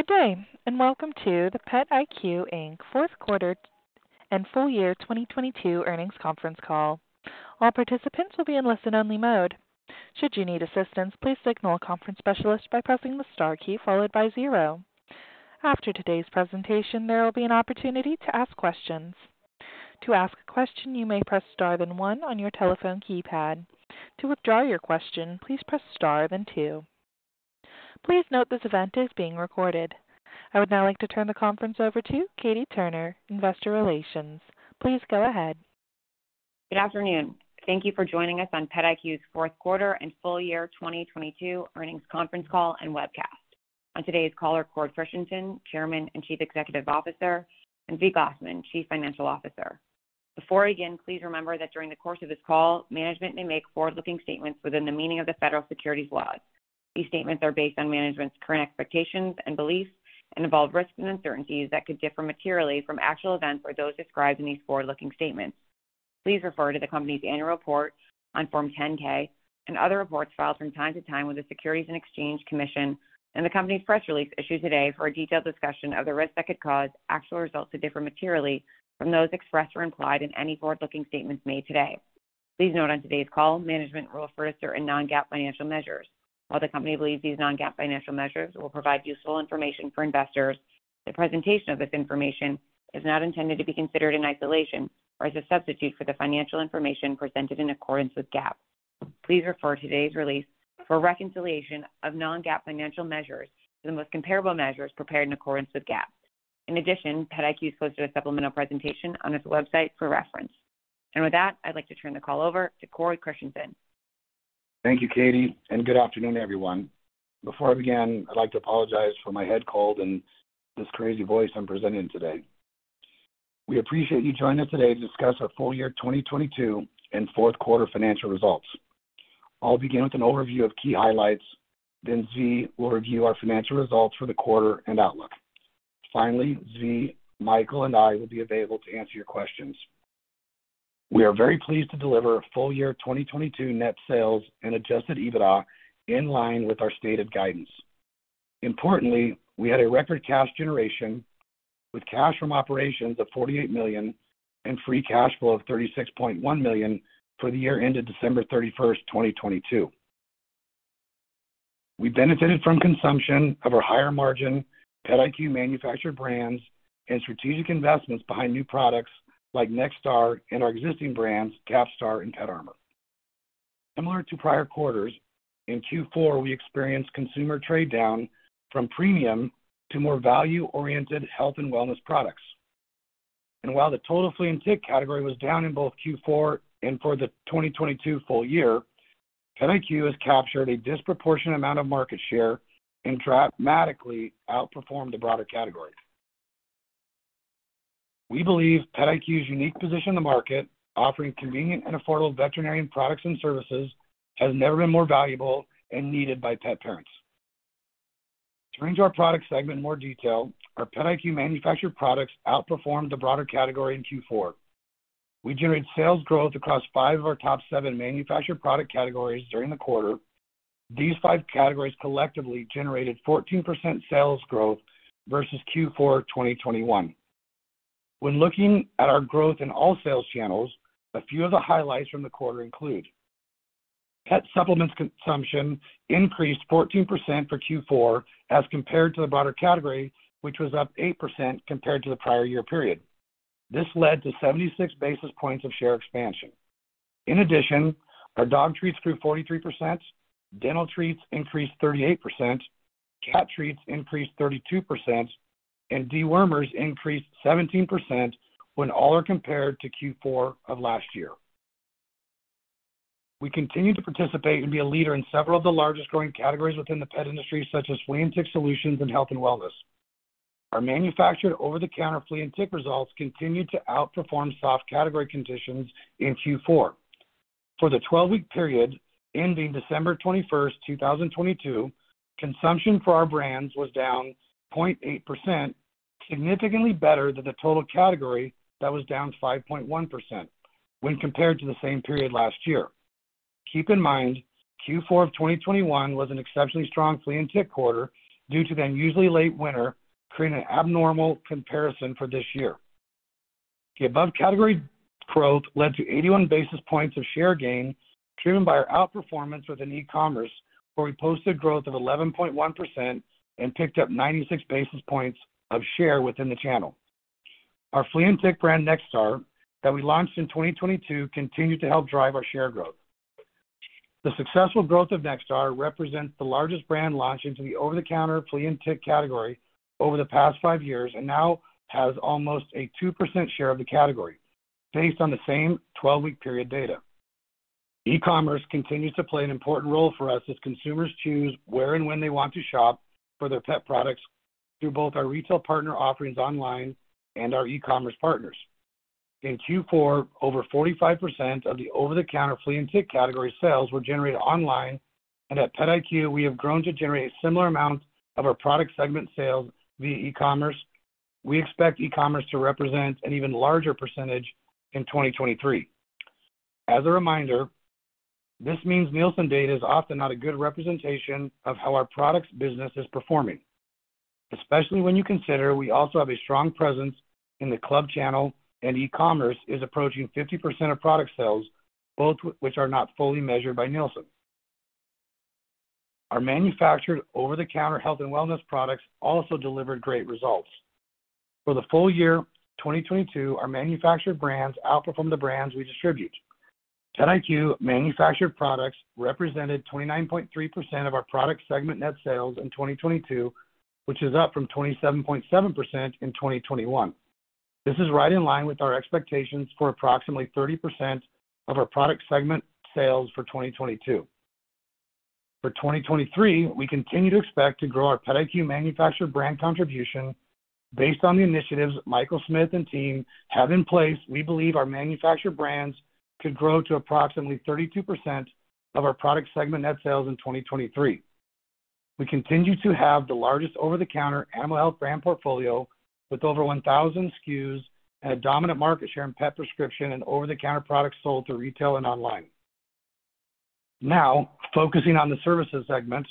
Good day, welcome to the PetIQ Inc. fourth quarter and full year 2022 earnings conference call. All participants will be in listen-only mode. Should you need assistance, please signal a conference specialist by pressing the star key followed by zero. After today's presentation, there will be an opportunity to ask questions. To ask a question, you may press star then one on your telephone keypad. To withdraw your question, please press star then two. Please note this event is being recorded. I would now like to turn the conference over to Katie Turner, Investor Relations. Please go ahead. Good afternoon. Thank you for joining us on PetIQ's fourth quarter and full year 2022 earnings conference call and webcast. On today's call are Cord Christensen, Chairman and Chief Executive Officer, and Zvi Glasman, Chief Financial Officer. Before we begin, please remember that during the course of this call, management may make forward-looking statements within the meaning of the federal securities laws. These statements are based on management's current expectations and beliefs and involve risks and uncertainties that could differ materially from actual events or those described in these forward-looking statements. Please refer to the company's annual report on Form 10-K and other reports filed from time to time with the Securities and Exchange Commission and the company's press release issued today for a detailed discussion of the risks that could cause actual results to differ materially from those expressed or implied in any forward-looking statements made today. Please note on today's call, management will refer to certain non-GAAP financial measures. While the company believes these non-GAAP financial measures will provide useful information for investors, the presentation of this information is not intended to be considered in isolation or as a substitute for the financial information presented in accordance with GAAP. Please refer today's release for reconciliation of non-GAAP financial measures to the most comparable measures prepared in accordance with GAAP. In addition, PetIQ posted a supplemental presentation on its website for reference. With that, I'd like to turn the call over to Cord Christensen. Thank you, Katie. Good afternoon, everyone. Before I begin, I'd like to apologize for my head cold and this crazy voice I'm presenting today. We appreciate you joining us today to discuss our full year 2022 and fourth quarter financial results. I'll begin with an overview of key highlights, then Zvi will review our financial results for the quarter and outlook. Finally, Zvi, Michael, and I will be available to answer your questions. We are very pleased to deliver full year 2022 net sales and adjusted EBITDA in line with our stated guidance. Importantly, we had a record cash generation with cash from operations of $48 million and free cash flow of $36.1 million for the year ended December 31st, 2022. We benefited from consumption of our higher margin PetIQ manufactured brands and strategic investments behind new products like NextStar and our existing brands, CAPSTAR and PetArmor. Similar to prior quarters, in Q4, we experienced consumer trade down from premium to more value-oriented health and wellness products. While the total flea and tick category was down in both Q4 and for the 2022 full year, PetIQ has captured a disproportionate amount of market share and dramatically outperformed the broader category. We believe PetIQ's unique position in the market, offering convenient and affordable veterinarian products and services, has never been more valuable and needed by pet parents. Turning to our Product segment in more detail, our PetIQ manufactured products outperformed the broader category in Q4. We generated sales growth across five of our top seven manufactured product categories during the quarter. These five categories collectively generated 14% sales growth versus Q4 of 2021. When looking at our growth in all sales channels, a few of the highlights from the quarter include pet supplements consumption increased 14% for Q4 as compared to the broader category, which was up 8% compared to the prior year period. This led to 76 basis points of share expansion. In addition, our dog treats grew 43%, dental treats increased 38%, cat treats increased 32%, and dewormers increased 17% when all are compared to Q4 of last year. We continue to participate and be a leader in several of the largest growing categories within the pet industry, such as flea and tick solutions and health and wellness. Our manufactured over-the-counter flea and tick results continued to outperform soft category conditions in Q4. For the 12-week period ending December 21st, 2022, consumption for our brands was down 0.8%, significantly better than the total category that was down 5.1% when compared to the same period last year. Keep in mind, Q4 of 2021 was an exceptionally strong flea and tick quarter due to the unusually late winter, creating an abnormal comparison for this year. The above-category growth led to 81 basis points of share gain, driven by our outperformance within e-commerce, where we posted growth of 11.1% and picked up 96 basis points of share within the channel. Our flea and tick brand, NextStar, that we launched in 2022, continued to help drive our share growth. The successful growth of NextStar represents the largest brand launch into the over-the-counter flea and tick category over the past five years and now has almost a 2% share of the category based on the same 12-week period data. E-commerce continues to play an important role for us as consumers choose where and when they want to shop for their pet products through both our retail partner offerings online and our e-commerce partners. In Q4, over 45% of the over-the-counter flea and tick category sales were generated online. At PetIQ, we have grown to generate a similar amount of our Product segment sales via e-commerce. We expect e-commerce to represent an even larger percentage in 2023. As a reminder, this means Nielsen data is often not a good representation of how our products business is performing, especially when you consider we also have a strong presence in the club channel and e-commerce is approaching 50% of product sales, both which are not fully measured by Nielsen. Our manufactured over-the-counter health and wellness products also delivered great results. For the full year 2022, our manufactured brands outperformed the brands we distribute. PetIQ manufactured products represented 29.3% of our Product segment net sales in 2022, which is up from 27.7% in 2021. This is right in line with our expectations for approximately 30% of our Product segment sales for 2022. For 2023, we continue to expect to grow our PetIQ manufactured brand contribution. Based on the initiatives Michael Smith and team have in place, we believe our manufactured brands could grow to approximately 32% of our Product segment net sales in 2023. We continue to have the largest over-the-counter animal health brand portfolio with over 1,000 SKUs and a dominant market share in pet prescription and over-the-counter products sold to retail and online. Focusing on the Services segment.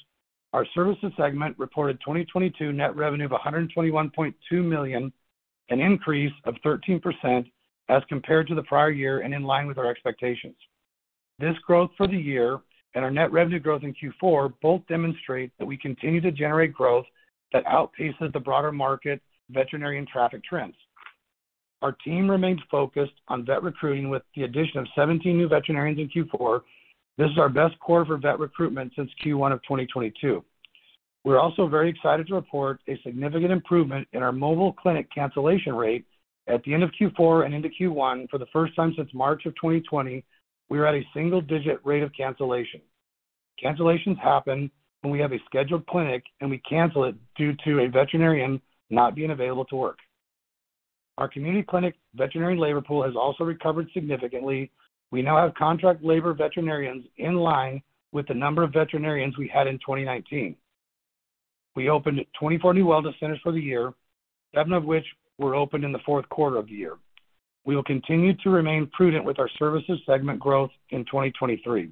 Our Services segment reported 2022 net revenue of $121.2 million, an increase of 13% as compared to the prior year and in line with our expectations. This growth for the year and our net revenue growth in Q4 both demonstrate that we continue to generate growth that outpaces the broader market veterinary and traffic trends. Our team remains focused on vet recruiting with the addition of 17 new veterinarians in Q4. This is our best quarter for vet recruitment since Q1 of 2022. We're also very excited to report a significant improvement in our mobile clinic cancellation rate at the end of Q4 and into Q1. For the first time since March of 2020, we are at a single-digit rate of cancellation. Cancellations happen when we have a scheduled clinic, and we cancel it due to a veterinarian not being available to work. Our community clinic veterinarian labor pool has also recovered significantly. We now have contract labor veterinarians in line with the number of veterinarians we had in 2019. We opened 24 new wellness centers for the year, seven of which were opened in the fourth quarter of the year. We will continue to remain prudent with our Services segment growth in 2023.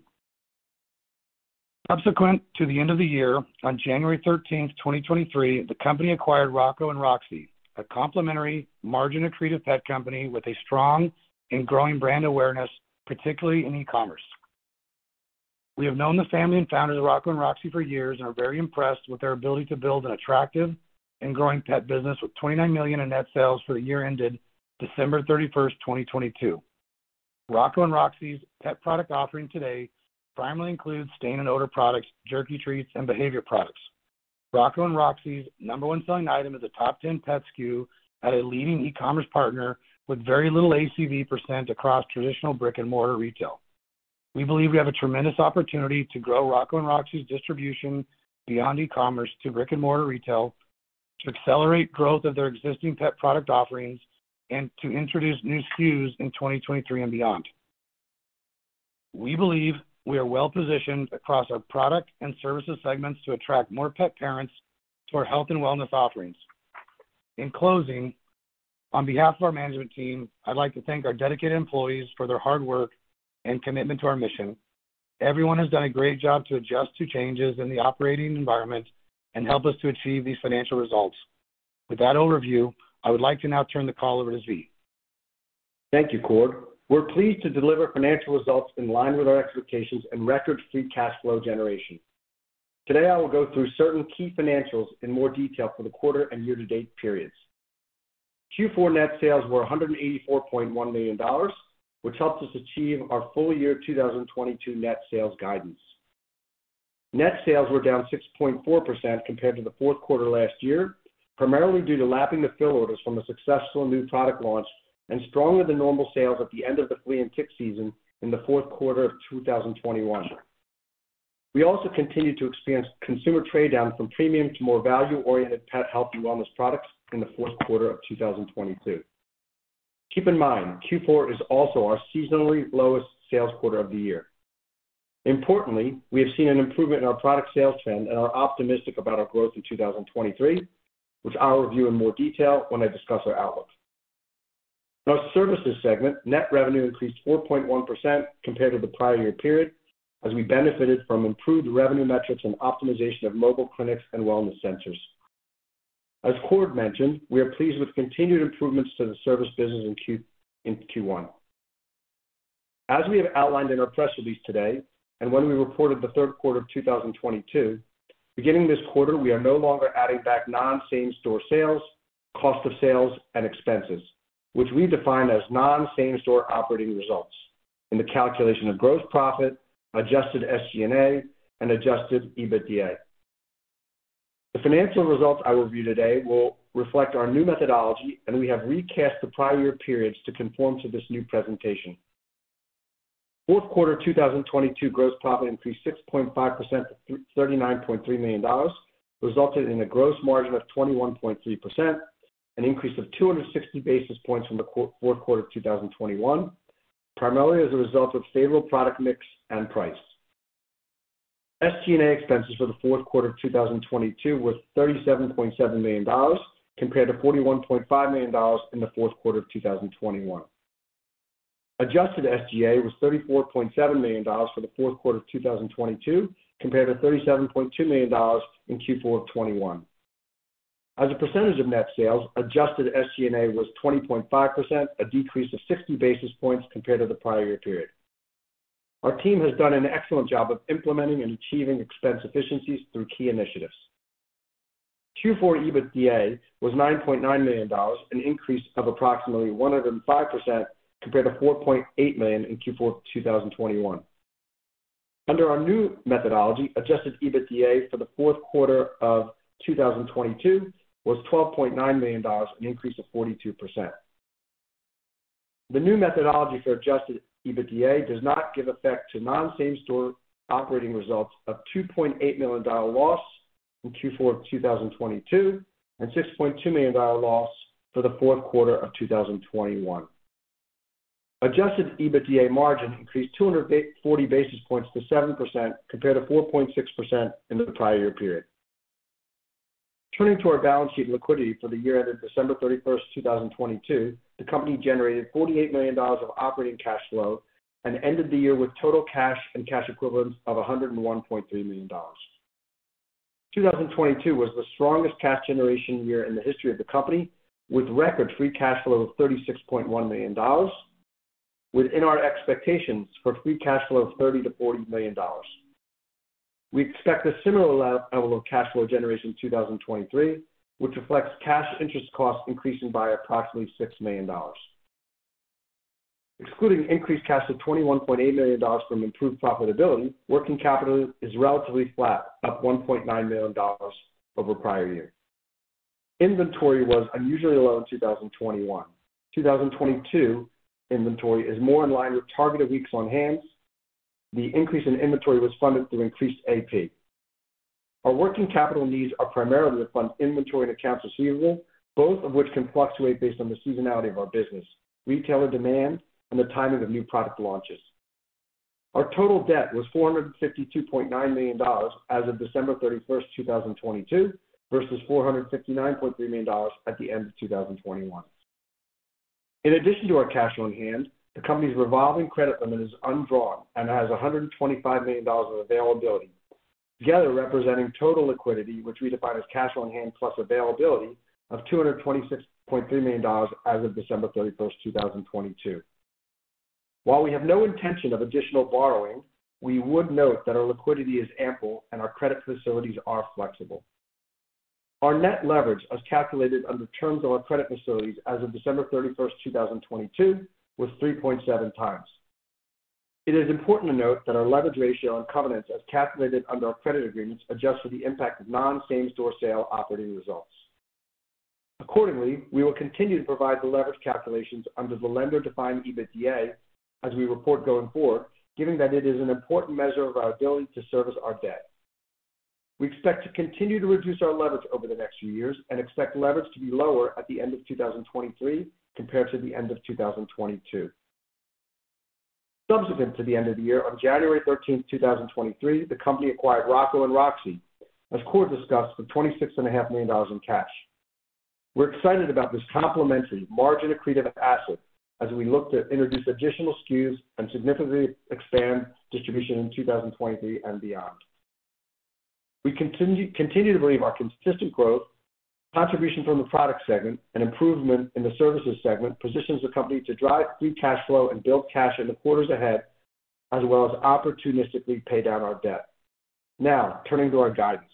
Subsequent to the end of the year on January 13th, 2023, the company acquired Rocco & Roxie, a complementary margin accretive pet company with a strong and growing brand awareness, particularly in e-commerce. We have known the family and founders of Rocco & Roxie for years and are very impressed with their ability to build an attractive and growing pet business with $29 million in net sales for the year ended December 31, 2022. Rocco & Roxie's pet product offering today primarily includes stain and odor products, jerky treats, and behavior products. Rocco & Roxie's number one selling item is a top 10 pet SKU at a leading e-commerce partner with very little ACV % across traditional brick-and-mortar retail. We believe we have a tremendous opportunity to grow Rocco & Roxie's distribution beyond e-commerce to brick-and-mortar retail, to accelerate growth of their existing pet product offerings, and to introduce new SKUs in 2023 and beyond. We believe we are well-positioned across our Product and Services segments to attract more pet parents to our health and wellness offerings. In closing, on behalf of our management team, I'd like to thank our dedicated employees for their hard work and commitment to our mission. Everyone has done a great job to adjust to changes in the operating environment and help us to achieve these financial results. With that overview, I would like to now turn the call over to Zvi. Thank you, Cord. We're pleased to deliver financial results in line with our expectations and record free cash flow generation. Today, I will go through certain key financials in more detail for the quarter and year-to-date periods. Q4 net sales were $184.1 million, which helped us achieve our full year 2022 net sales guidance. Net sales were down 6.4% compared to the fourth quarter last year, primarily due to lapping the fill orders from a successful new product launch and stronger than normal sales at the end of the flea and tick season in the fourth quarter of 2021. We also continued to experience consumer trade down from premium to more value-oriented pet health and wellness products in the fourth quarter of 2022. Keep in mind, Q4 is also our seasonally lowest sales quarter of the year. Importantly, we have seen an improvement in our product sales trend and are optimistic about our growth in 2023, which I'll review in more detail when I discuss our outlook. In our Services segment, net revenue increased 4.1% compared to the prior year period, as we benefited from improved revenue metrics and optimization of mobile clinics and wellness centers. As Cord mentioned, we are pleased with continued improvements to the service business in Q1. As we have outlined in our press release today and when we reported the third quarter of 2022, beginning this quarter, we are no longer adding back non-same-store sales, cost of sales, and expenses, which we define as non-same-store operating results in the calculation of gross profit, adjusted SG&A, and adjusted EBITDA. The financial results I review today will reflect our new methodology, and we have recast the prior year periods to conform to this new presentation. Fourth quarter 2022 gross profit increased 6.5% to $39.3 million, resulting in a gross margin of 21.3%, an increase of 260 basis points from the fourth quarter of 2021, primarily as a result of favorable product mix and price. SG&A expenses for the fourth quarter of 2022 was $37.7 million compared to $41.5 million in the fourth quarter of 2021. Adjusted SG&A was $34.7 million for the fourth quarter of 2022 compared to $37.2 million in Q4 of 2021. As a percentage of net sales, adjusted SG&A was 20.5%, a decrease of 60 basis points compared to the prior year period. Our team has done an excellent job of implementing and achieving expense efficiencies through key initiatives. Q4 EBITDA was $9.9 million, an increase of approximately 105% compared to $4.8 million in Q4 2021. Under our new methodology, adjusted EBITDA for the fourth quarter of 2022 was $12.9 million, an increase of 42%. The new methodology for adjusted EBITDA does not give effect to non-same store operating results of $2.8 million loss in Q4 2022, and $6.2 million loss for the fourth quarter of 2021. Adjusted EBITDA margin increased 240 basis points to 7% compared to 4.6% in the prior year period. Turning to our balance sheet liquidity for the year ended December 31st, 2022, the company generated $48 million of operating cash flow and ended the year with total cash and cash equivalents of $101.3 million. 2022 was the strongest cash generation year in the history of the company, with record free cash flow of $36.1 million within our expectations for free cash flow of $30 million-$40 million. We expect a similar level of cash flow generation in 2023, which reflects cash interest costs increasing by approximately $6 million. Excluding increased cash of $21.8 million from improved profitability, working capital is relatively flat, up $1.9 million over prior year. Inventory was unusually low in 2021. 2022 inventory is more in line with targeted weeks on hand. The increase in inventory was funded through increased AP. Our working capital needs are primarily to fund inventory and accounts receivable, both of which can fluctuate based on the seasonality of our business, retailer demand, and the timing of new product launches. Our total debt was $452.9 million as of December 31st, 2022 versus $459.3 million at the end of 2021. In addition to our cash on hand, the company's revolving credit limit is undrawn and has $125 million of availability, together representing total liquidity, which we define as cash on hand Plus availability of $226.3 million as of December 31st, 2022. While we have no intention of additional borrowing, we would note that our liquidity is ample and our credit facilities are flexible. Our net leverage as calculated under terms of our credit facilities as of December 31st, 2022 was 3.7x. It is important to note that our leverage ratio and covenants as calculated under our credit agreements adjust for the impact of non-same store sale operating results. We will continue to provide the leverage calculations under the lender-defined EBITDA as we report going forward, given that it is an important measure of our ability to service our debt. We expect to continue to reduce our leverage over the next few years and expect leverage to be lower at the end of 2023 compared to the end of 2022. Subsequent to the end of the year on January 13th, 2023, the company acquired Rocco & Roxie, as Cord discussed, for $26.5 million in cash. We're excited about this complementary margin accretive asset as we look to introduce additional SKUs and significantly expand distribution in 2023 and beyond. We continue to believe our consistent growth, contribution from the Product segment, and improvement in the Services segment positions the company to drive free cash flow and build cash in the quarters ahead, as well as opportunistically pay down our debt. Turning to our guidance.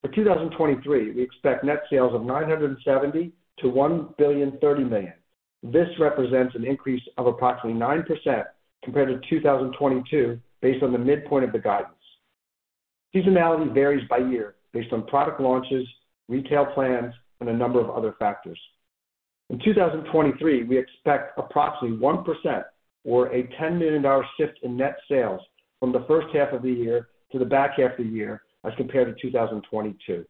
For 2023, we expect net sales of $970 million-$1.03 billion. This represents an increase of approximately 9% compared to 2022, based on the midpoint of the guidance. Seasonality varies by year based on product launches, retail plans, and a number of other factors. In 2023, we expect approximately 1% or a $10 million shift in net sales from the first half of the year to the back half of the year as compared to 2022.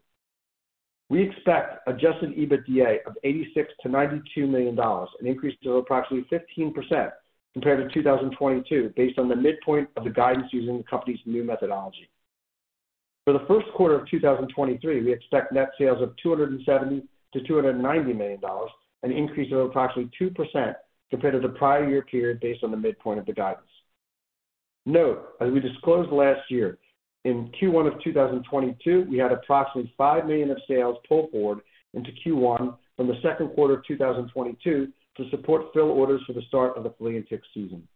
We expect adjusted EBITDA of $86 million-$92 million, an increase of approximately 15% compared to 2022, based on the midpoint of the guidance using the company's new methodology. For the first quarter of 2023, we expect net sales of $270 million-$290 million, an increase of approximately 2% compared to the prior year period, based on the midpoint of the guidance. Note, as we disclosed last year, in Q1 of 2022, we had approximately $5 million of sales pulled forward into Q1 from the second quarter of 2022 to support fill orders for the start of the flea and tick season.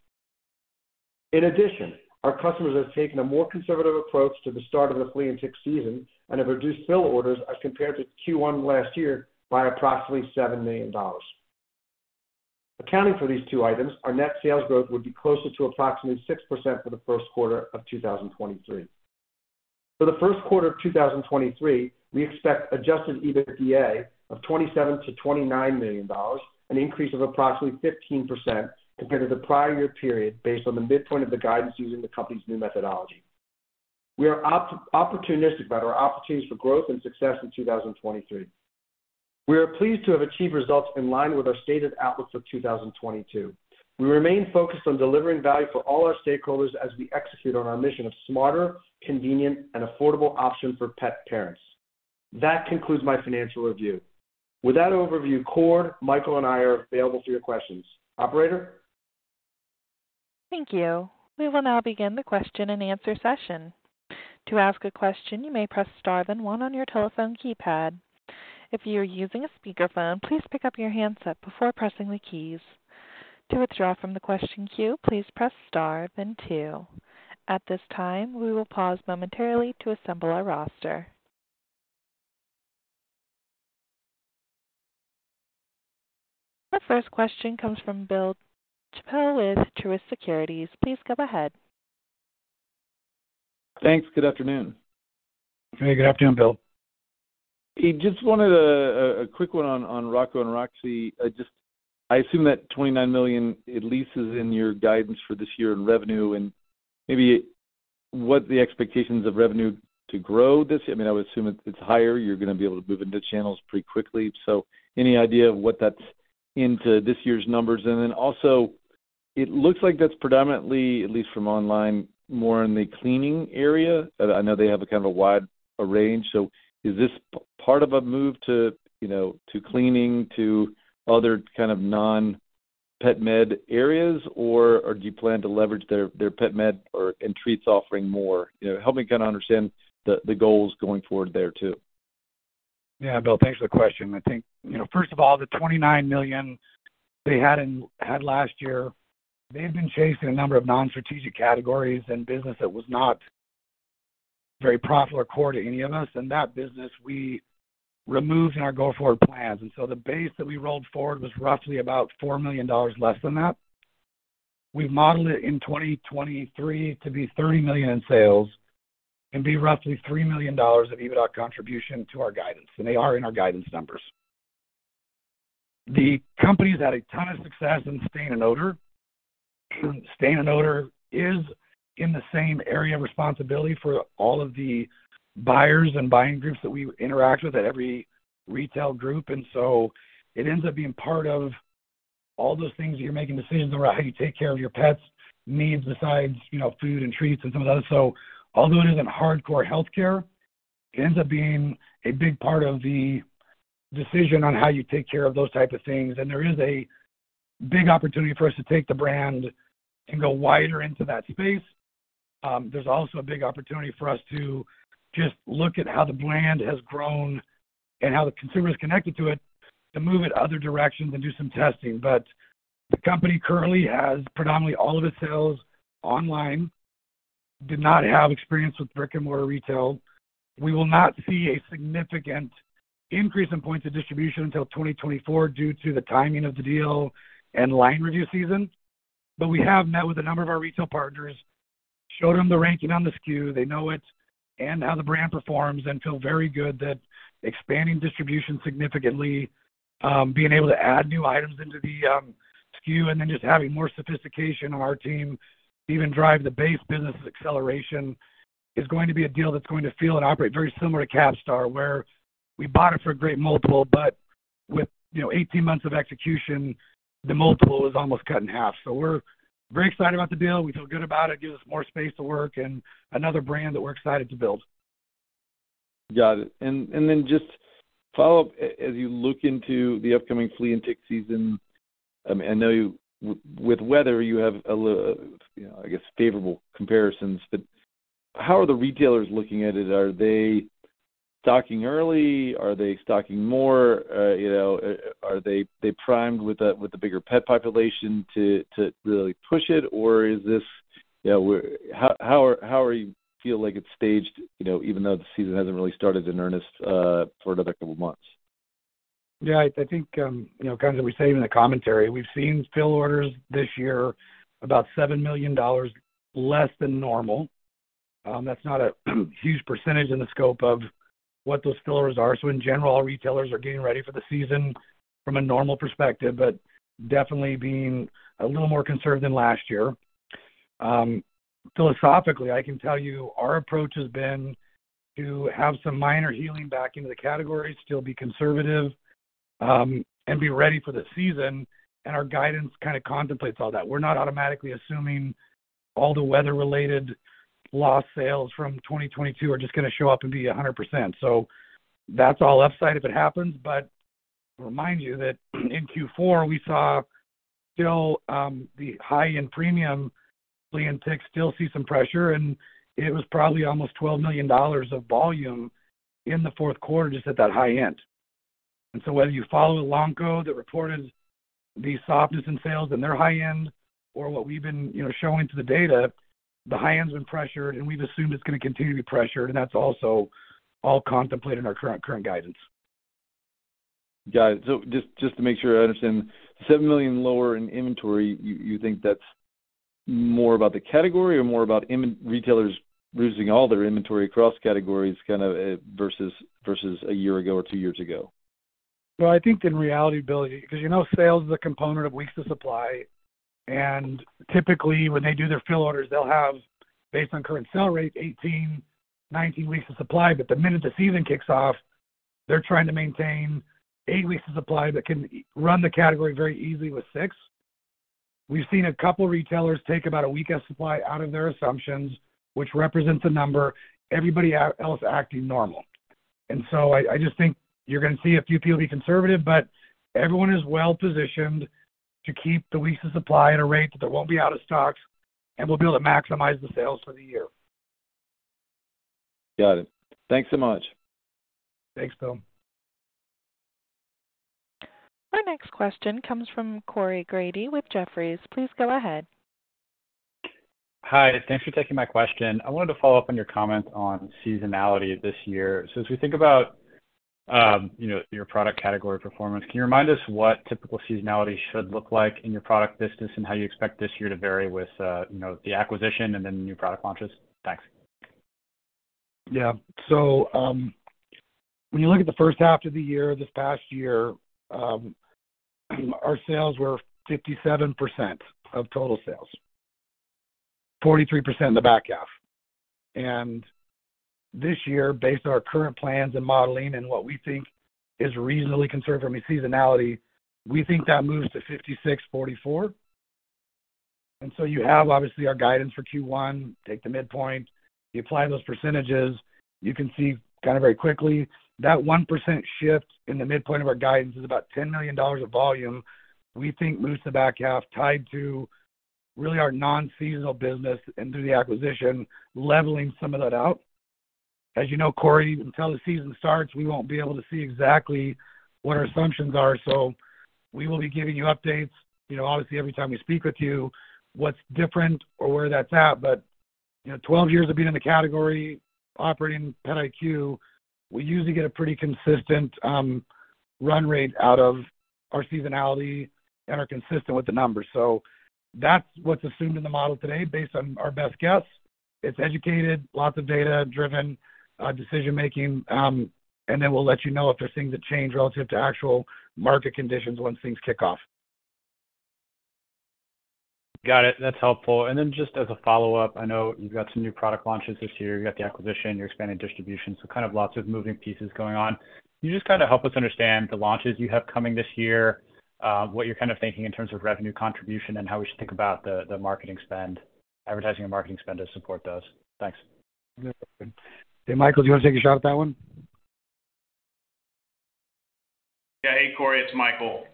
Our customers have taken a more conservative approach to the start of the flea and tick season and have reduced fill orders as compared to Q1 last year by approximately $7 million. Accounting for these two items, our net sales growth would be closer to approximately 6% for the first quarter of 2023. For the first quarter of 2023, we expect Adjusted EBITDA of $27 million-$29 million, an increase of approximately 15% compared to the prior year period, based on the midpoint of the guidance using the company's new methodology. We are opportunistic about our opportunities for growth and success in 2023. We are pleased to have achieved results in line with our stated outlook for 2022. We remain focused on delivering value for all our stakeholders as we execute on our mission of smarter, convenient, and affordable options for pet parents. That concludes my financial review. With that overview, Cord, Michael, and I are available for your questions. Operator. Thank you. We will now begin the question and answer session. To ask a question, you may press star then one on your telephone keypad. If you are using a speakerphone, please pick up your handset before pressing the keys. To withdraw from the question queue, please press star then two. At this time, we will pause momentarily to assemble our roster. The first question comes from Bill Chappell with Truist Securities. Please go ahead. Thanks. Good afternoon. Hey, good afternoon, Bill. Just wanted a quick one on Rocco & Roxie. I assume that $29 million at least is in your guidance for this year in revenue and maybe what the expectations of revenue to grow this. I mean, I would assume it's higher, you're gonna be able to move into channels pretty quickly. Any idea of what that's into this year's numbers? Also it looks like that's predominantly, at least from online, more in the cleaning area. I know they have a kind of a wide range. Is this part of a move to, you know, to cleaning to other kind of non-pet med areas or do you plan to leverage their pet med or and treats offering more? You know, help me understand the goals going forward there too. Bill, thanks for the question. I think, you know, first of all, the $29 million they had last year, they've been chasing a number of non-strategic categories and business that was not very profitable or core to any of us. That business we removed in our go-forward plans. The base that we rolled forward was roughly about $4 million less than that. We've modeled it in 2023 to be $30 million in sales and be roughly $3 million of EBITDA contribution to our guidance, they are in our guidance numbers. The company's had a ton of success in stain and odor. Stain and odor is in the same area of responsibility for all of the buyers and buying groups that we interact with at every retail group. It ends up being part of all those things that you're making decisions around how you take care of your pets needs besides, you know, food and treats and some of those. Although it isn't hardcore healthcare, it ends up being a big part of the decision on how you take care of those type of things. There is a big opportunity for us to take the brand and go wider into that space. There's also a big opportunity for us to just look at how the brand has grown and how the consumer is connected to it to move it other directions and do some testing. The company currently has predominantly all of its sales online, did not have experience with brick-and-mortar retail. We will not see a significant increase in points of distribution until 2024 due to the timing of the deal and line review season. We have met with a number of our retail partners, showed them the ranking on the SKU, they know it, and how the brand performs, and feel very good that expanding distribution significantly, being able to add new items into the SKU, and then just having more sophistication on our team to even drive the base business acceleration is going to be a deal that's going to feel and operate very similar to CAPSTAR. Where we bought it for a great multiple, but with, you know, 18 months of execution, the multiple is almost cut in half. We're very excited about the deal. We feel good about it. Gives us more space to work and another brand that we're excited to build. Got it. Then just follow up. As you look into the upcoming flea and tick season, I know with weather you have I guess, favorable comparisons, but how are the retailers looking at it? Are they stocking early? Are they stocking more? You know, are they primed with the bigger pet population to really push it? Or is this, you know... How are you feel like it's staged, you know, even though the season hasn't really started in earnest, for another couple months? I think, you know, kind of we say it in the commentary. We've seen fill orders this year about $7 million less than normal. That's not a huge percentage in the scope of what those fill orders are. In general, retailers are getting ready for the season from a normal perspective, but definitely being a little more conservative than last year. Philosophically, I can tell you our approach has been to have some minor healing back into the category, still be conservative, and be ready for the season, and our guidance kind of contemplates all that. We're not automatically assuming all the weather-related lost sales from 2022 are just gonna show up and be 100%. That's all left side if it happens. Remind you that in Q4, we saw still the high-end premium flea and tick still see some pressure, and it was probably almost $12 million of volume in the fourth quarter just at that high end. Whether you follow Elanco that reported the softness in sales in their high end or what we've been, you know, showing through the data, the high end's been pressured and we've assumed it's going to continue to be pressured, and that's also all contemplated in our current guidance. Got it. Just to make sure I understand, $7 million lower in inventory, you think that's more about the category or more about retailers losing all their inventory across categories,, versus a year ago or two years ago? Well, I think in reality, Bill, 'cause you know, sales is a component of weeks of supply. Typically, when they do their fill orders, they'll have, based on current sell rate, 18 weeks, 19 weeks of supply. The minute the season kicks off, they're trying to maintain eight weeks of supply, but can run the category very easily with six weeks. We've seen a couple of retailers take about one week of supply out of their assumptions, which represents a number, everybody else acting normal. I just think you're gonna see a few people be conservative, but everyone is well-positioned to keep the weeks of supply at a rate that they won't be out of stocks, and we'll be able to maximize the sales for the year. Got it. Thanks so much. Thanks, Bill. Our next question comes from Corey Grady with Jefferies. Please go ahead. Hi. Thanks for taking my question. I wanted to follow up on your comment on seasonality this year. As we think about, you know, your product category performance, can you remind us what typical seasonality should look like in your product business and how you expect this year to vary with, you know, the acquisition and then the new product launches? Thanks. Yeah. When you look at the first half of the year, this past year, our sales were 57% of total sales, 43% in the back half. This year, based on our current plans and modeling and what we think is reasonably conservative seasonality, we think that moves to 56%, 44%. You have obviously our guidance for Q1, take the midpoint, you apply those percentages, you can see very quickly that 1% shift in the midpoint of our guidance is about $10 million of volume we think moves the back half tied to really our non-seasonal business and through the acquisition, leveling some of that out. As you know, Corey, until the season starts, we won't be able to see exactly what our assumptions are. We will be giving you updates, you know, obviously every time we speak with you, what's different or where that's at. You know, 12 years of being in the category, operating PetIQ, we usually get a pretty consistent run rate out of our seasonality and are consistent with the numbers. That's what's assumed in the model today based on our best guess. It's educated, lots of data-driven decision-making, and then we'll let you know if there's things that change relative to actual market conditions once things kick off. Got it. That's helpful. Just as a follow-up, I know you've got some new product launches this year. You got the acquisition, you're expanding distribution, so kind of lots of moving pieces going on. Can you just help us understand the launches you have coming this year, what you're thinking in terms of revenue contribution and how we should think about the marketing spend, advertising and marketing spend to support those. Thanks. Yeah. Hey, Michael, do you wanna take a shot at that one? Yeah. Hey, Corey, it's Michael.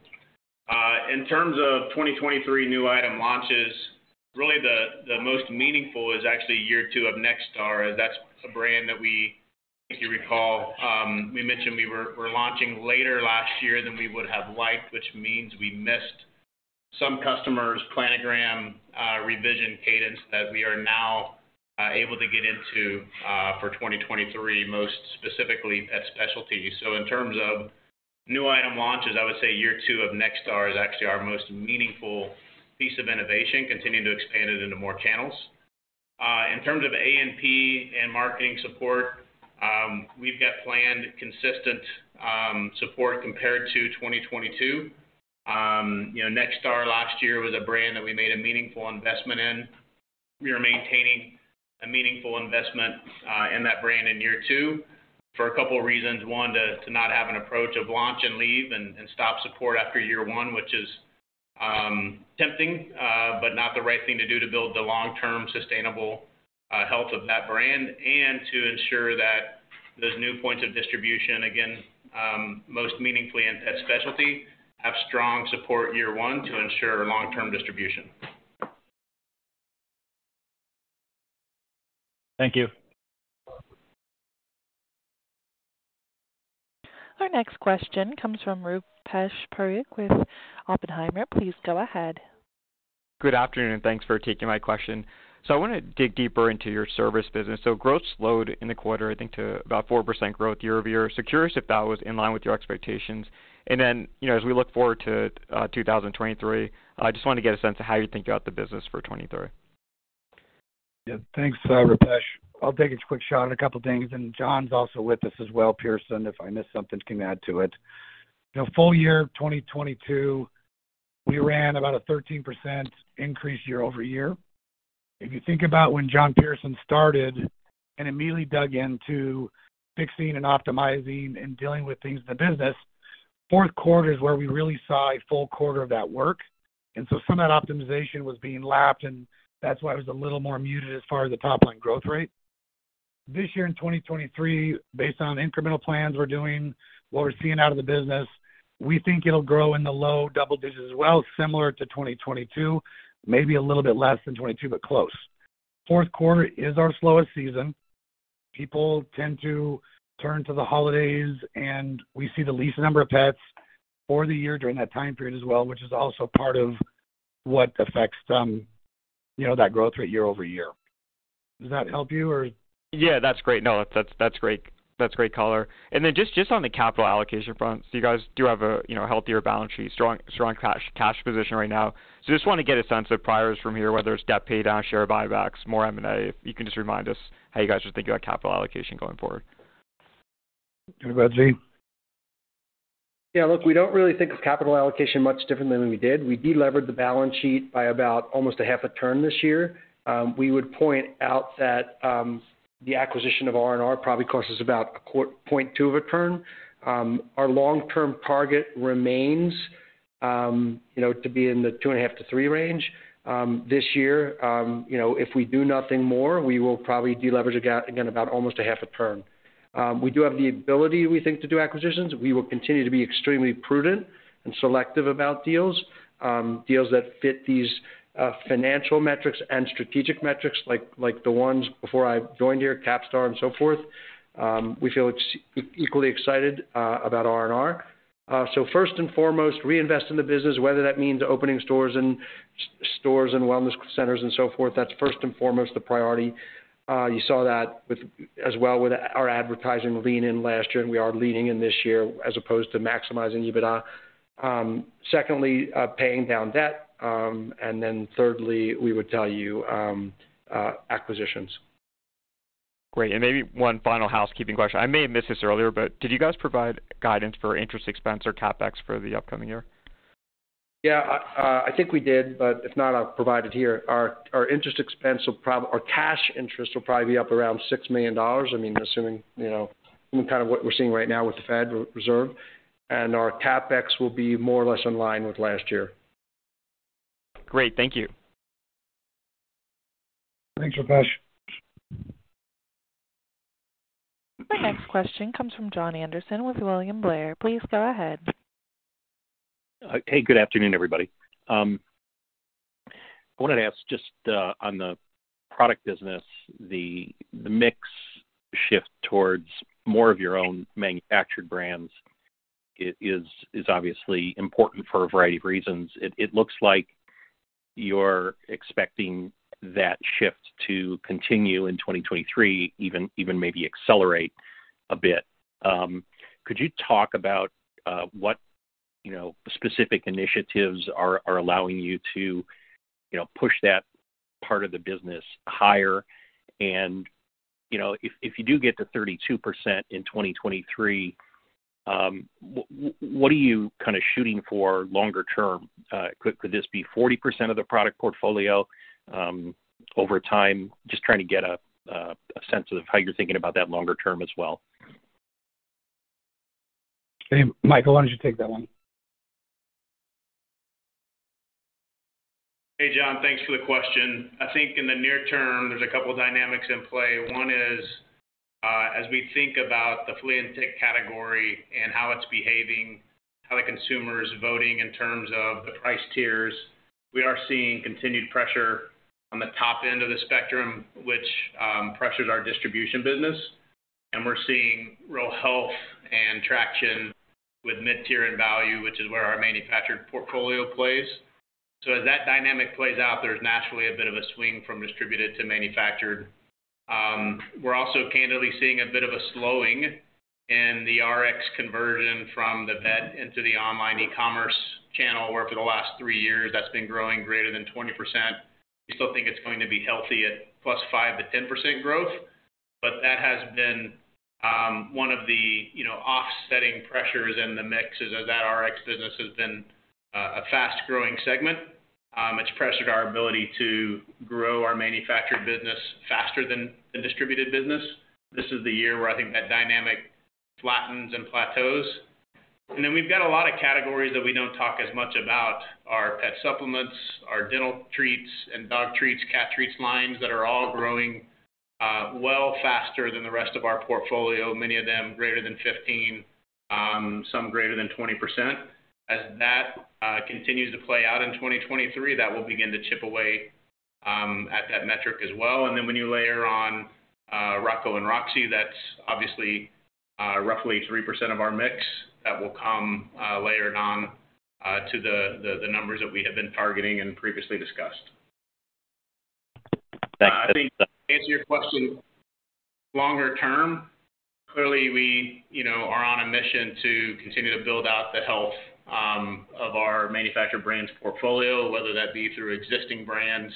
In terms of 2023 new item launches, really the most meaningful is actually year two of NextStar. That's a brand that we, if you recall, we mentioned we're launching later last year than we would have liked, which means we missed some customers' planogram, revision cadence that we are now able to get into for 2023, most specifically at specialty. In terms of new item launches, I would say year two of NextStar is actually our most meaningful piece of innovation, continuing to expand it into more channels. In terms of A&P and marketing support, we've got planned consistent support compared to 2022. You know, NextStar last year was a brand that we made a meaningful investment in. We are maintaining a meaningful investment in that brand in year two for a couple reasons. One, to not have an approach of launch and leave and stop support after year one, which is tempting, but not the right thing to do to build the long-term sustainable health of that brand and to ensure that those new points of distribution, again, most meaningfully in pet specialty, have strong support year one to ensure long-term distribution. Thank you. Our next question comes from Rupesh Parikh with Oppenheimer. Please go ahead. Good afternoon, and thanks for taking my question. I wanna dig deeper into your service business. Growth slowed in the quarter, I think to about 4% growth year-over-year. Curious if that was in line with your expectations. Then, you know, as we look forward to 2023, I just wanted to get a sense of how you think about the business for 2023. Yeah. Thanks, Rupesh. I'll take a quick shot at a couple things, and John Pearson's also with us as well, if I miss something, he can add to it. You know, full year 2022, we ran about a 13% increase year-over-year. If you think about when John Pearson started and immediately dug into fixing and optimizing and dealing with things in the business, fourth quarter is where we really saw a full quarter of that work. Some of that optimization was being lapped, and that's why it was a little more muted as far as the top line growth rate. This year in 2023, based on incremental plans we're doing, what we're seeing out of the business, we think it'll grow in the low double digits as well, similar to 2022, maybe a little bit less than 2022, but close. Fourth quarter is our slowest season. People tend to turn to the holidays. We see the least number of pets for the year during that time period as well, which is also part of what affects, you know, that growth rate year-over-year. Does that help you or? Yeah, that's great. No, that's great. That's great color. Just on the capital allocation front, you guys do have a, you know, healthier balance sheet, strong cash position right now. Just wanna get a sense of priors from here, whether it's debt pay down, share buybacks, more M&A. If you can just remind us how you guys are thinking about capital allocation going forward. Go ahead, Zvi. Look, we don't really think of capital allocation much differently than we did. We delevered the balance sheet by about almost a half a turn this year. We would point out that the acquisition of R&R probably cost us about 0.2x of a turn. Our long-term target remains, you know, to be in the 2.5x-3x range this year. You know, if we do nothing more, we will probably deleverage again about almost a half a turn. We do have the ability, we think, to do acquisitions. We will continue to be extremely prudent and selective about deals that fit these financial metrics and strategic metrics like the ones before I joined here, CAPSTAR and so forth. We feel it's equally excited about R&R. First and foremost, reinvest in the business, whether that means opening stores and wellness centers and so forth. That's first and foremost the priority. You saw that with... as well with our advertising lean in last year. We are leaning in this year as opposed to maximizing EBITDA. Secondly, paying down debt, then thirdly, we would tell you, acquisitions. Great. Maybe one final housekeeping question. I may have missed this earlier, but did you guys provide guidance for interest expense or CapEx for the upcoming year? Yeah, I think we did, but if not, I'll provide it here. Our cash interest will probably be up around $6 million, I mean, assuming, you know, kind of what we're seeing right now with the Federal Reserve. Our CapEx will be more or less in line with last year. Great. Thank you. Thanks, Rupesh. The next question comes from Jon Andersen with William Blair. Please go ahead. Hey, good afternoon, everybody. I wanted to ask just on the product business, the mix shift towards more of your own manufactured brands is obviously important for a variety of reasons. It looks like you're expecting that shift to continue in 2023, even maybe accelerate a bit. Could you talk about what, you know, specific initiatives are allowing you to, you know, push that part of the business higher? You know, if you do get to 32% in 2023, what are you kind of shooting for longer term? Could this be 40% of the product portfolio over time? Just trying to get a sense of how you're thinking about that longer term as well. Mike, why don't you take that one? Hey, Jon. Thanks for the question. I think in the near term, there's a couple of dynamics in play. One is, as we think about the flea and tick category and how it's behaving, how the consumer is voting in terms of the price tiers, we are seeing continued pressure on the top end of the spectrum, which pressures our distribution business. We're seeing real health and traction with mid-tier and value, which is where our manufactured portfolio plays. As that dynamic plays out, there's naturally a bit of a swing from distributed to manufactured. We're also candidly seeing a bit of a slowing in the RX conversion from the vet into the online e-commerce channel, where for the last three years that's been growing greater than 20%. We still think it's going to be healthy at +5%-10% growth. That has been, one of the, you know, offsetting pressures in the mix is as that RX business has been, a fast-growing segment. It's pressured our ability to grow our manufactured business faster than the distributed business. This is the year where I think that dynamic flattens and plateaus. We've got a lot of categories that we don't talk as much about. Our pet supplements, our dental treats and dog treats, cat treats lines that are all growing, well faster than the rest of our portfolio, many of them greater than 15%, some greater than 20%. As that continues to play out in 2023, that will begin to chip away at that metric as well. When you layer on, Rocco & Roxie, that's obviously, roughly 3% of our mix that will come, layered on, to the numbers that we have been targeting and previously discussed. Thanks. I think to answer your question longer term, clearly, we, you know, are on a mission to continue to build out the health of our manufactured brands portfolio, whether that be through existing brands,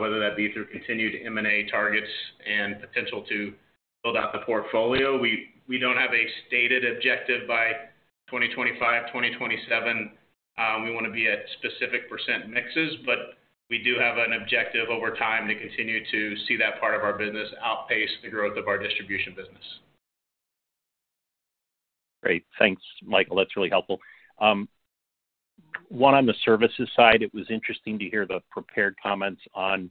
whether that be through continued M&A targets and potential to build out the portfolio. We, we don't have a stated objective by 2025, 2027, we wanna be at specific percent mixes, but we do have an objective over time to continue to see that part of our business outpace the growth of our distribution business. Great. Thanks, Michael. That's really helpful. One on the services side, it was interesting to hear the prepared comments on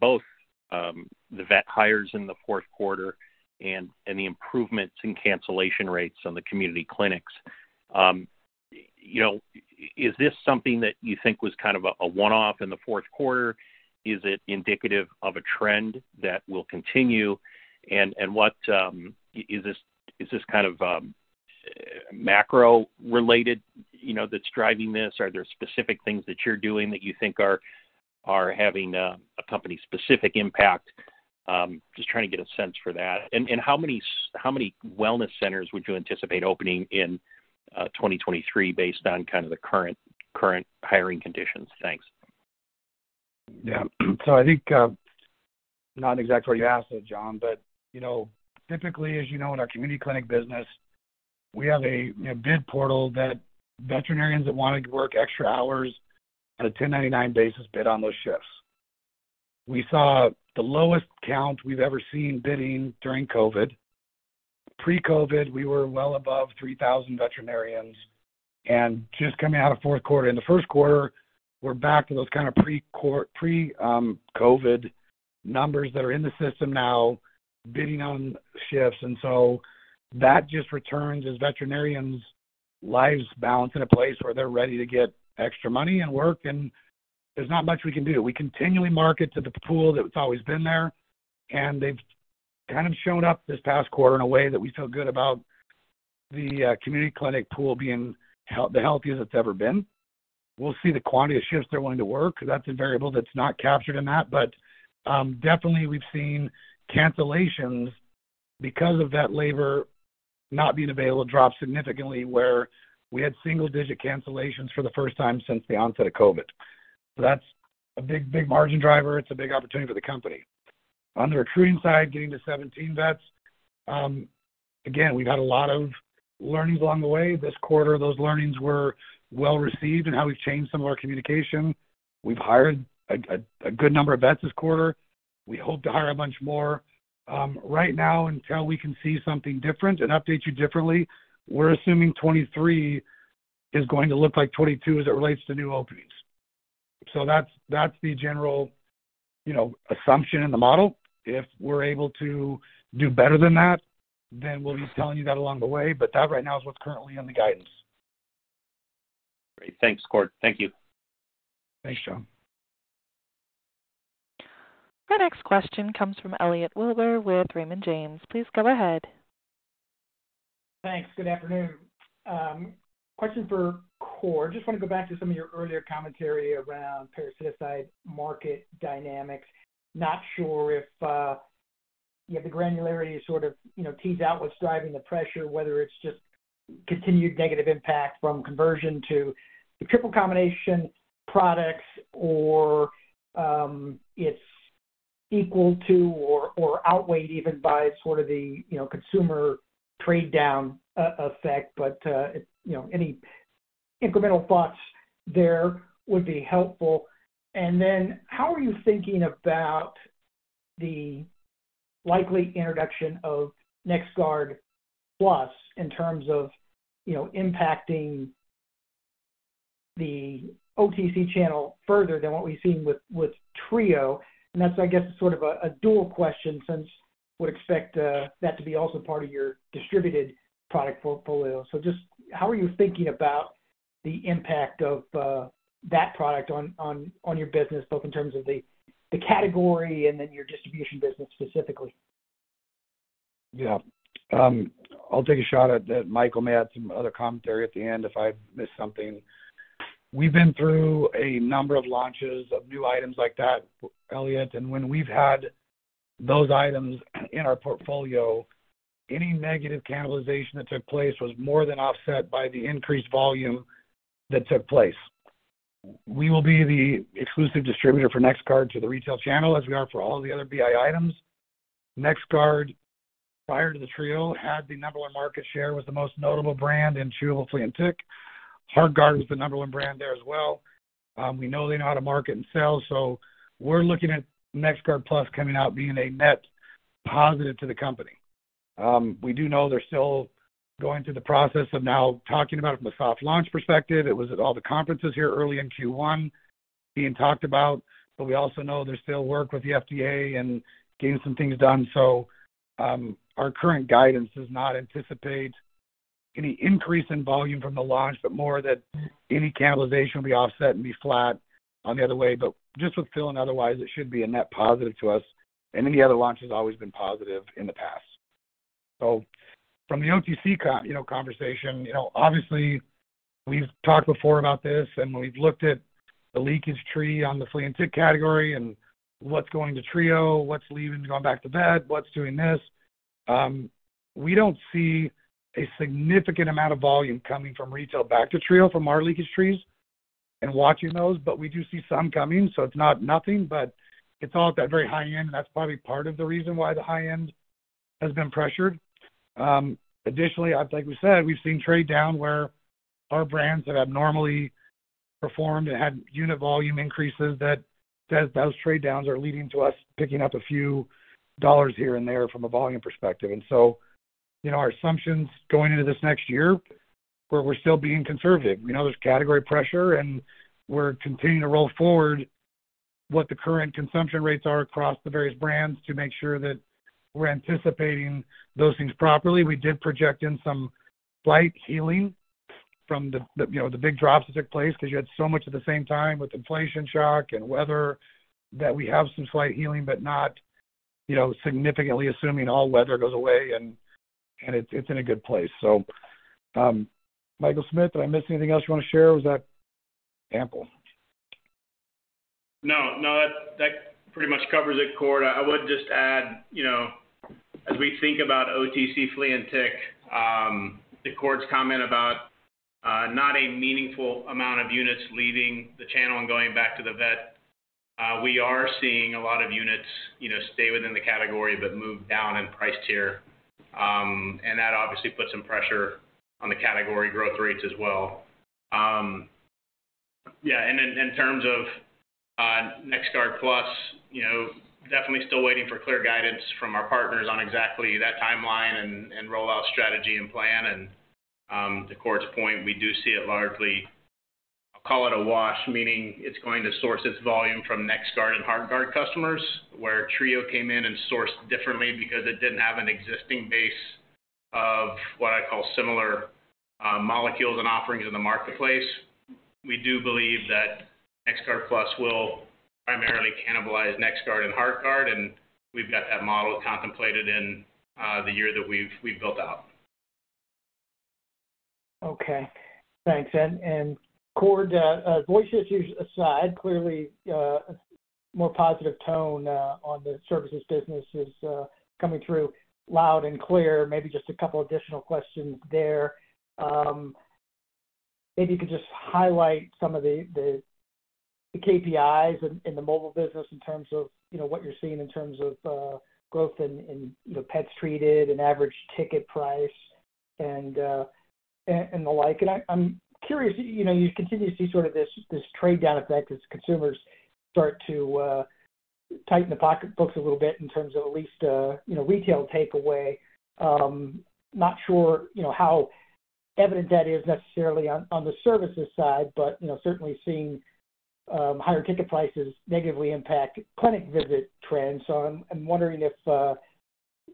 both the vet hires in the fourth quarter and the improvements in cancellation rates on the community clinics. You know, is this something that you think was kind of a one-off in the fourth quarter? Is it indicative of a trend that will continue? What is this kind of macro-related, you know, that's driving this? Are there specific things that you're doing that you think are having a company-specific impact? Just trying to get a sense for that. How many wellness centers would you anticipate opening in 2023 based on kind of the current hiring conditions? Thanks. I think, not exactly what you asked there, Jon, but you know, typically, as you know, in our community clinic business, we have a, you know, bid portal that veterinarians that want to work extra hours on a 1099 basis bid on those shifts. We saw the lowest count we've ever seen bidding during COVID. Pre-COVID, we were well above 3,000 veterinarians. Just coming out of fourth quarter, in the first quarter, we're back to those kind of pre-COVID numbers that are in the system now, bidding on shifts. That just returns as veterinarians lives balance in a place where they're ready to get extra money and work, and there's not much we can do. We continually market to the pool that's always been there. They've kind of shown up this past quarter in a way that we feel good about the community clinic pool being the healthiest it's ever been. We'll see the quantity of shifts they're willing to work. That's a variable that's not captured in that. Definitely we've seen cancellations because of that labor not being available drop significantly where we had single-digit cancellations for the first time since the onset of COVID. That's a big, big margin driver. It's a big opportunity for the company. On the recruiting side, getting to 17 vets, again, we've had a lot of learnings along the way. This quarter, those learnings were well-received in how we've changed some of our communication. We've hired a good number of vets this quarter. We hope to hire a bunch more. Right now, until we can see something different and update you differently, we're assuming 23 is going to look like 22 as it relates to new openings. That's the general, you know, assumption in the model. If we're able to do better than that, then we'll be telling you that along the way. That right now is what's currently in the guidance. Great. Thanks, Cord. Thank you. Thanks, Jon. The next question comes from Elliot Wilbur with Raymond James. Please go ahead. Thanks. Good afternoon. Question for Cord. Just want to go back to some of your earlier commentary around parasitic market dynamics. Not sure if you have the granularity to sort of, you know, tease out what's driving the pressure, whether it's just continued negative impact from conversion to the triple combination products or it's equal to or outweighed even by sort of the, you know, consumer trade-down e-effect. You know, any incremental thoughts there would be helpful. How are you thinking about the likely introduction of NexGard Plus in terms of, you know, impacting the OTC channel further than what we've seen with Trio? That's, I guess, sort of a dual question since would expect that to be also part of your distributed product portfolio. Just how are you thinking about the impact of that product on your business, both in terms of the category and then your distribution business specifically? Yeah. I'll take a shot at that. Michael may add some other commentary at the end if I miss something. We've been through a number of launches of new items like that, Elliot, and when we've had those items in our portfolio, any negative cannibalization that took place was more than offset by the increased volume that took place. We will be the exclusive distributor for NexGard to the retail channel, as we are for all the other BI items. NexGard, prior to the Trio, had the number one market share, was the most notable brand in chew, hopefully in tick. HEARTGARD was the number one brand there as well. We know they know how to market and sell, so we're looking at NexGard Plus coming out being a net positive to the company. We do know they're still going through the process of now talking about it from a soft launch perspective. It was at all the conferences here early in Q1 being talked about. We also know there's still work with the FDA and getting some things done. Our current guidance does not anticipate any increase in volume from the launch, but more that any cannibalization will be offset and be flat on the other way. Just with fill and otherwise, it should be a net positive to us. Any of the other launches always been positive in the past. From the OTC, you know, conversation, you know, obviously, we've talked before about this, and we've looked at the leakage tree on the flea and tick category and what's going to Trio, what's leaving, going back to bed, what's doing this. We don't see a significant amount of volume coming from retail back to Trio from our leakage trees and watching those, but we do see some coming, so it's not nothing, but it's all at that very high end. Additionally, like we said, we've seen trade down where our brands that have normally performed and had unit volume increases that those trade downs are leading to us picking up a few dollars here and there from a volume perspective. You know, our assumptions going into this next year, where we're still being conservative. We know there's category pressure, and we're continuing to roll forward what the current consumption rates are across the various brands to make sure that we're anticipating those things properly. We did project in some slight healing from the, you know, the big drops that took place because you had so much at the same time with inflation shock and weather that we have some slight healing but not, you know, significantly assuming all weather goes away and it's in a good place. Michael Smith, did I miss anything else you want to share? Was that ample? No, no. That pretty much covers it, Cord. I would just add, you know, as we think about OTC flea and tick, the court's comment about not a meaningful amount of units leaving the channel and going back to the vet, we are seeing a lot of units, you know, stay within the category but move down in price tier. That obviously puts some pressure on the category growth rates as well. Yeah. In terms of NexGard Plus, you know, definitely still waiting for clear guidance from our partners on exactly that timeline and rollout strategy and plan. To Cord's point, we do see it largely, I'll call it a wash, meaning it's going to source its volume from NexGard and HEARTGARD customers, where Trio came in and sourced differently because it didn't have an existing base of what I call similar molecules and offerings in the marketplace. We do believe that NexGard Plus will primarily cannibalize NexGard and HEARTGARD, and we've got that model contemplated in the year that we've built out. Okay. Thanks. Cord, voice issues aside, clearly, a more positive tone on the services business is coming through loud and clear. Maybe just a couple additional questions there. Maybe you could just highlight some of the KPIs in the mobile business in terms of, you know, what you're seeing in terms of growth in the pets treated and average ticket price and the like. I'm curious, you know, you continue to see sort of this trade-down effect as consumers start to tighten the pocketbooks a little bit in terms of at least, you know, retail takeaway. Not sure, you know, how evident that is necessarily on the services side, but, you know, certainly seeing higher ticket prices negatively impact clinic visit trends. I'm wondering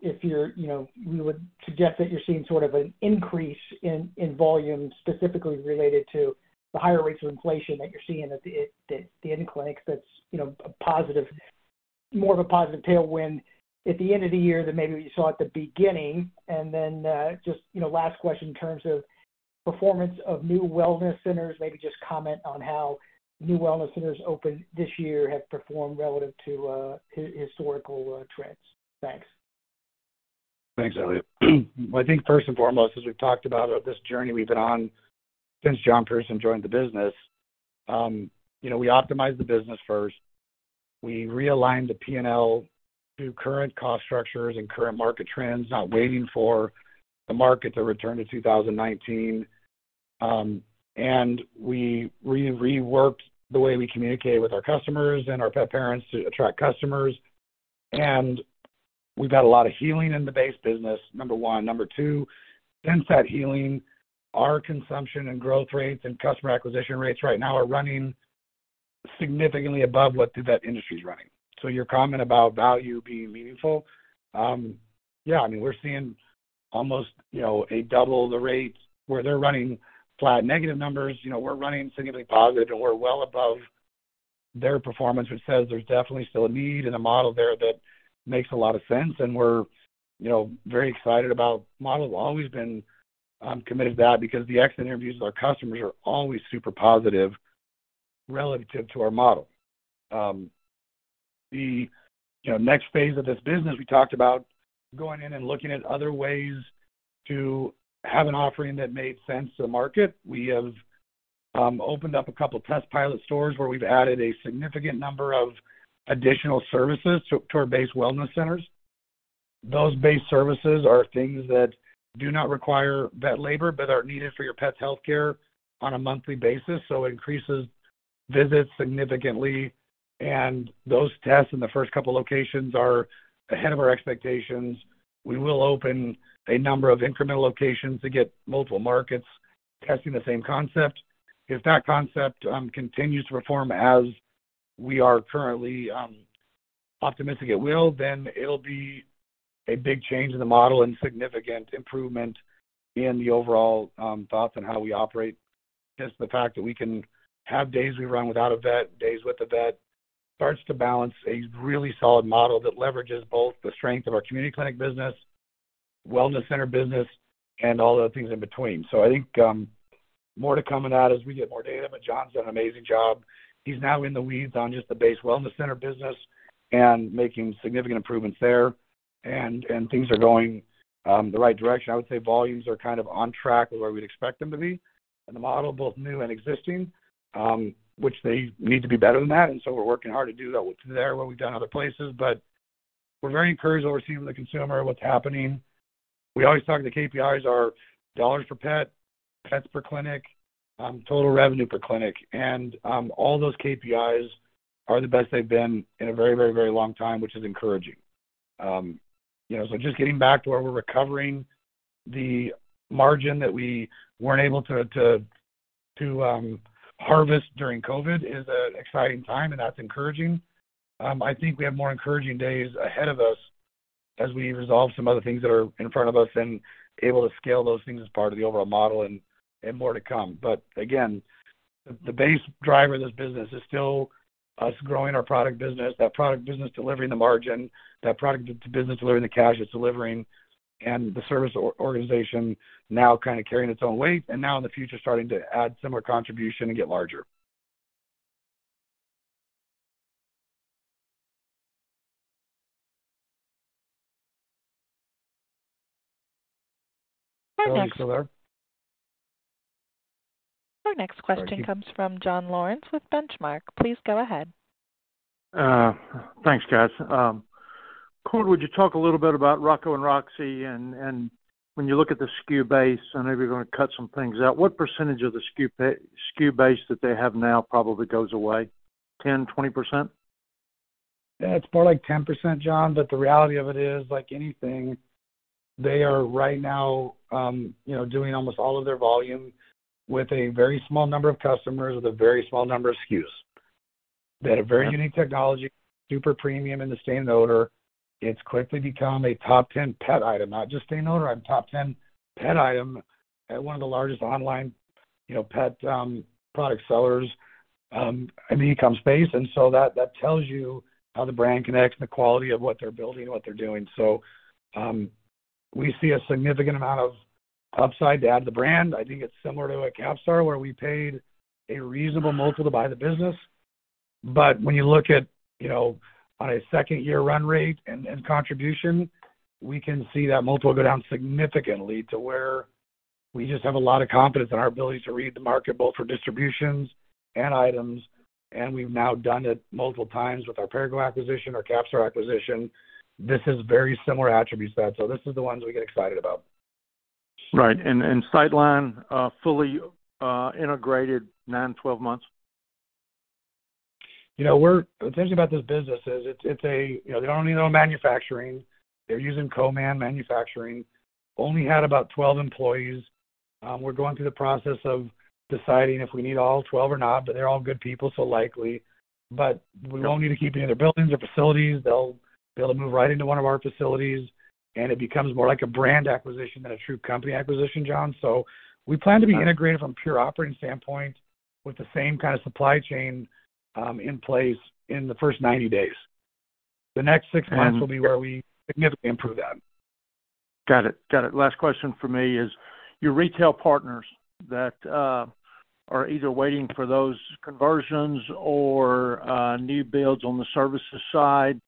if you're, you know, you would suggest that you're seeing sort of an increase in volume specifically related to the higher rates of inflation that you're seeing at the end clinics that's, you know, a positive more of a positive tailwind at the end of the year than maybe we saw at the beginning. Then just, you know, last question in terms of performance of new wellness centers. Maybe just comment on how new wellness centers opened this year have performed relative to historical trends. Thanks? Thanks, Elliot. I think first and foremost, as we've talked about this journey we've been on since John Pearson joined the business, you know, we optimized the business first. We realigned the P&L to current cost structures and current market trends, not waiting for the market to return to 2019. We reworked the way we communicate with our customers and our pet parents to attract customers. We've had a lot of healing in the base business, number one. Number two, since that healing, our consumption and growth rates and customer acquisition rates right now are running significantly above what the vet industry is running. Your comment about value being meaningful, yeah, I mean, we're seeing almost, you know, a double the rates. Where they're running flat negative numbers, you know, we're running significantly positive, and we're well above their performance, which says there's definitely still a need and a model there that makes a lot of sense. We're, you know, very excited about. Model has always been committed to that because the exit interviews of our customers are always super positive relative to our model. The, you know, next phase of this business, we talked about going in and looking at other ways to have an offering that made sense to the market. We have opened up a couple test pilot stores where we've added a significant number of additional services to our base wellness centers. Those base services are things that do not require vet labor, but are needed for your pet's healthcare on a monthly basis, so increases visits significantly. Those tests in the first two locations are ahead of our expectations. We will open a number of incremental locations to get multiple markets testing the same concept. If that concept continues to perform as we are currently optimistic it will, then it'll be a big change in the model and significant improvement in the overall thoughts on how we operate. Just the fact that we can have days we run without a vet, days with a vet, starts to balance a really solid model that leverages both the strength of our community clinic business, wellness center business, and all the things in between. I think more to coming out as we get more data, but John's done an amazing job. He's now in the weeds on just the base wellness center business and making significant improvements there. Things are going the right direction. I would say volumes are kind of on track with where we'd expect them to be in the model, both new and existing, which they need to be better than that, and so we're working hard to do that there, what we've done other places. We're very encouraged what we're seeing with the consumer, what's happening. We always talk to KPIs are dollars per pet, pets per clinic, total revenue per clinic. All those KPIs are the best they've been in a very, very, very long time, which is encouraging. You know, so just getting back to where we're recovering the margin that we weren't able to harvest during COVID is an exciting time, and that's encouraging. I think we have more encouraging days ahead of us as we resolve some other things that are in front of us and able to scale those things as part of the overall model and more to come. Again, the base driver of this business is still us growing our product business, that product business delivering the margin, that product business delivering the cash it's delivering, and the service organization now kind of carrying its own weight, and now in the future, starting to add similar contribution and get larger. Our next question comes from Jon Lawrence with Benchmark. Please go ahead. Thanks, guys. Cord, would you talk a little bit about Rocco and Roxie? And when you look at the SKU base, I know you're gonna cut some things out. What percentage of the SKU base that they have now probably goes away, 10%, 20%? Yeah, it's more like 10%, Jon. The reality of it is, like anything, they are right now, you know, doing almost all of their volume with a very small number of customers with a very small number of SKUs. They had a very unique technology, super premium in the stain and odor. It's quickly become a top 10 pet item, not just stain and odor, a top 10 pet item at one of the largest online, you know, pet product sellers in the e-com space. That, that tells you how the brand connects and the quality of what they're building and what they're doing. We see a significant amount of upside to add the brand. I think it's similar to a CAPSTAR, where we paid a reasonable multiple to buy the business. When you look at, you know, on a second-year run rate and contribution, we can see that multiple go down significantly to where we just have a lot of confidence in our ability to read the market, both for distributions and items. We've now done it multiple times with our Perrigo acquisition, our CAPSTAR acquisition. This has very similar attributes to that, so this is the ones we get excited about. Right. CAPSTAR, fully integrated 9-12 months? You know, The thing about this business is it's a, you know, they don't need no manufacturing. They're using co-man manufacturing. Only had about 12 employees. We're going through the process of deciding if we need all 12 or not, but they're all good people, so likely. We won't need to keep any of their buildings or facilities. They'll move right into one of our facilities, and it becomes more like a brand acquisition than a true company acquisition, Jon. We plan to be integrated from a pure operating standpoint with the same kind of supply chain, in place in the first 90 days. The next six months will be where we significantly improve that. Got it. Last question from me is, your retail partners that, are either waiting for those conversions or, new builds on the services side,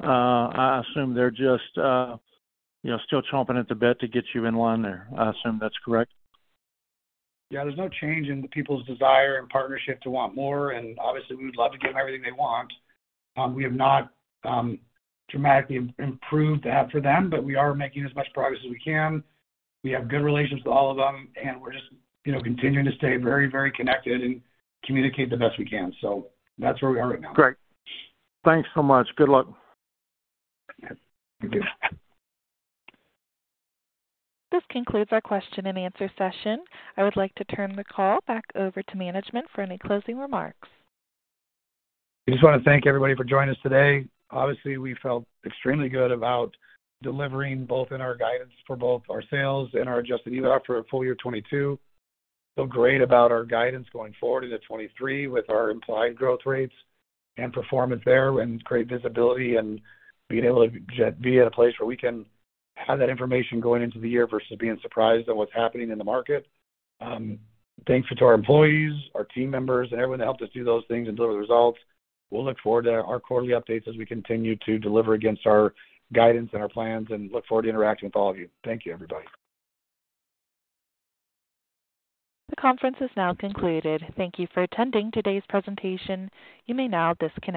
I assume they're just, you know, still chomping at the bit to get you in line there. I assume that's correct. Yeah, there's no change in the people's desire and partnership to want more. Obviously, we would love to give them everything they want. We have not dramatically improved that for them, but we are making as much progress as we can. We have good relations with all of them, and we're just, you know, continuing to stay very connected and communicate the best we can. That's where we are right now. Great. Thanks so much. Good luck. Thank you. This concludes our question and answer session. I would like to turn the call back over to management for any closing remarks. I just wanna thank everybody for joining us today. Obviously, we felt extremely good about delivering both in our guidance for both our sales and our adjusted EBITDA for full year 2022. Feel great about our guidance going forward into 2023 with our implied growth rates and performance there and great visibility and being able to be at a place where we can have that information going into the year versus being surprised at what's happening in the market. Thanks to our employees, our team members and everyone that helped us do those things and deliver the results. We'll look forward to our quarterly updates as we continue to deliver against our guidance and our plans and look forward to interacting with all of you. Thank you, everybody. The conference is now concluded. Thank you for attending today's presentation. You may now disconnect.